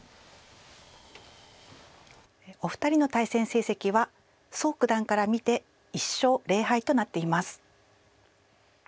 お二人の対戦成績は蘇九段から見て１勝０敗となっています。